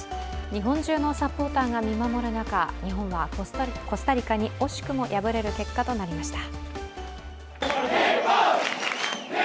日本中のサポーターが見守る中、日本はコスタリカに惜しくも敗れる結果となりました。